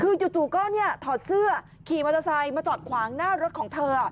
คือจู่ก็ถอดเสื้อขี่มอเตอร์ไซค์มาจอดขวางหน้ารถของเธอ